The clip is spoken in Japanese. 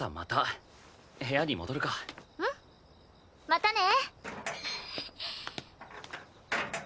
またね！